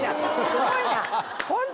すごいな！